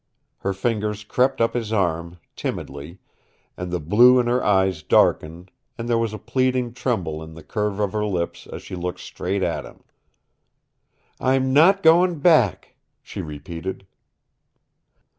Her fingers crept up his arm, timidly, and the blue in her eyes darkened, and there was a pleading tremble in the curve of her lips as she looked straight at him. "I'm not going back," she repeated.